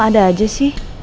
ada aja sih